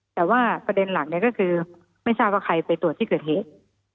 แต่ว่าประเด็นหลักก็คือไม่ทราบว่าใครไปตรวจที่เกิดเหตุ